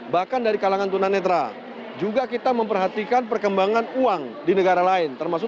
bahkan dari kalangan tunanetra juga kita memperhatikan perkembangan uang di negara lain termasuk